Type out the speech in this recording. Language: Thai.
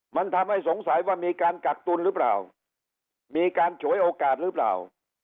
มันทำให้สงสัยว่ามีการกักตุลหรือเปล่ามีการฉวยโอกาสหรือเปล่า